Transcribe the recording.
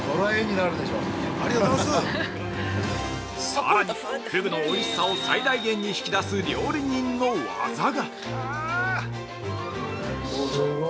◆さらに、ふぐのおいしさを最大限に引き出す料理人の技が！